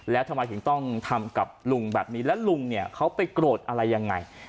แล้วทำไมถึงต้องทำกับลุงแบบนี้แล้วลุงเนี่ยเขาไปโกรธอะไรยังไง